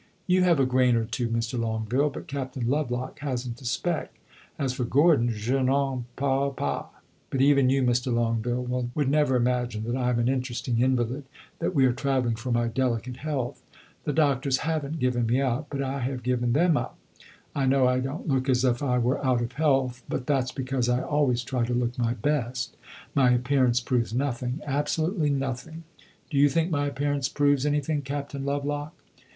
You have a grain or two, Mr. Longueville; but Captain Lovelock has n't a speck. As for Gordon, je n'en parle pas! But even you, Mr. Longueville, would never imagine that I am an interesting invalid that we are travelling for my delicate health. The doctors have n't given me up, but I have given them up. I know I don't look as if I were out of health; but that 's because I always try to look my best. My appearance proves nothing absolutely nothing. Do you think my appearance proves anything, Captain Lovelock?"